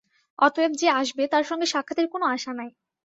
অতএব যে আসবে, তার সঙ্গে সাক্ষাতের কোন আশা নাই।